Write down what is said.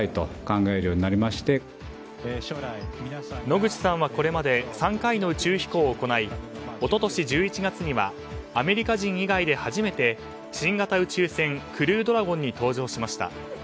野口さんはこれまで３回の宇宙飛行を行い一昨年１１月にはアメリカ人以外で初めて新型宇宙船「クルードラゴン」に搭乗しました。